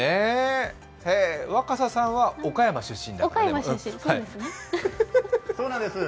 若狭さんは岡山出身ですね。